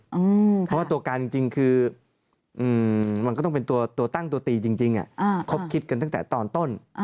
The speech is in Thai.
เพราะว่าตัวการจริงคือมันก็ต้องเป็นตัวตั้งตัวตีจริงครบคิดกันตั้งแต่ตอนต้น